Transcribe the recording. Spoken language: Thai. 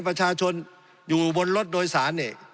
ประชาชนอยู่บนรถโดยสารเนี่ย